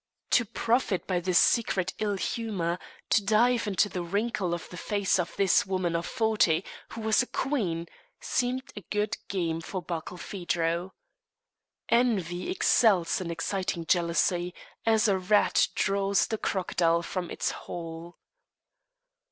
To profit by this secret ill humour, to dive into the wrinkle on the face of this woman of forty, who was a queen, seemed a good game for Barkilphedro. Envy excels in exciting jealousy, as a rat draws the crocodile from its hole.